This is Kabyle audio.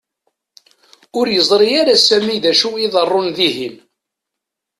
Ur yeẓri ara Sami d acu i iḍerrun dihin.